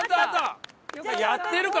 やってるか？